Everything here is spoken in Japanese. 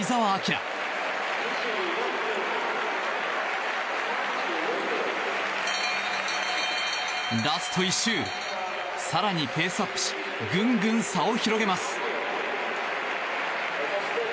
ラスト１周更にペースアップしぐんぐん差を広げます。